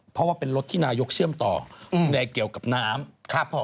เพราะว่าเป็นรถที่นายกเชื่อมต่อในเกี่ยวกับน้ำครับผม